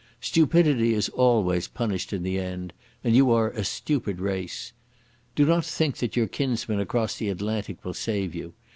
Stupidity is always punished in the end, and you are a stupid race. Do not think that your kinsmen across the Atlantic will save you.